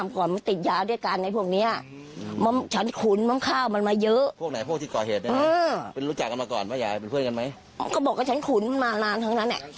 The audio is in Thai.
ใครขายใครหักกันนะ